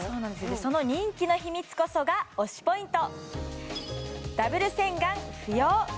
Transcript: その人気の秘密こそが推しポイント！